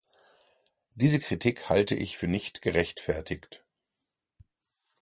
Diese Kritik halte ich für nicht gerechtfertigt.